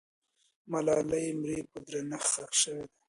د ملالۍ مړی په درنښت ښخ سوی دی.